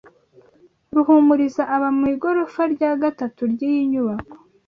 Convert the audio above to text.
Ruhumuriza aba mu igorofa rya gatatu ryiyi nyubako.